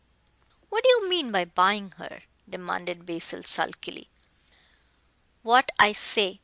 "What do you mean by buying her?" demanded Basil sulkily. "What I say.